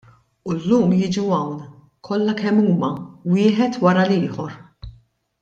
U llum jiġu hawn, kollha kemm huma, wieħed wara l-ieħor.